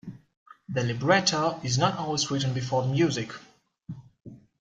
The libretto is not always written before the music.